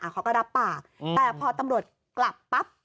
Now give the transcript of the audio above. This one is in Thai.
เขาก็รับปากแต่พอตำรวจกลับปั๊บ